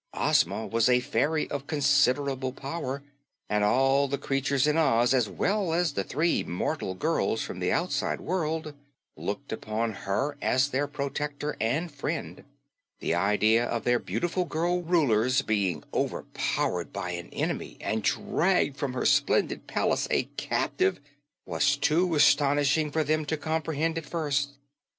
Ozma was a fairy of considerable power, and all the creatures in Oz as well as the three mortal girls from the outside world looked upon her as their protector and friend. The idea of their beautiful girl Ruler's being overpowered by an enemy and dragged from her splendid palace a captive was too astonishing for them to comprehend at first.